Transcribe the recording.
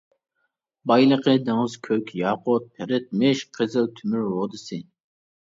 بايلىقى دېڭىز كۆك ياقۇت، پىرىت، مىش، قىزىل تۆمۈر رۇدىسى.